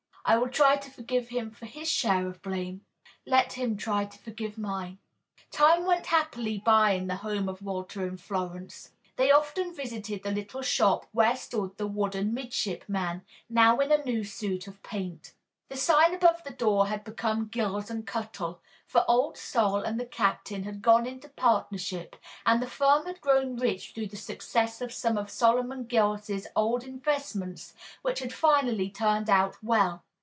I will try to forgive him his share of blame; let him try to forgive me mine." Time went happily by in the home of Walter and Florence. They often visited the little shop where stood the wooden midshipman, now in a new suit of paint. The sign above the door had become "Gills and Cuttle," for Old Sol and the Captain had gone into partnership, and the firm had grown rich through the successes of some of Solomon Gills's old investments which had finally turned out well.